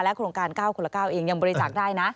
โครงการ๙คนละ๙เองยังบริจาคได้นะ